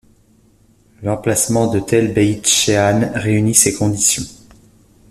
L'emplacement de Tel Beït-Shéan réunit ces conditions.